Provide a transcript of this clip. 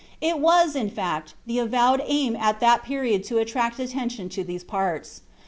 It was, in fact, the avowed aim at that period to attract attention to these parts.